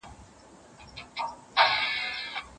زه به هڅه وکړم چي په دي موضوع کي نوي معلومات زیات کړم.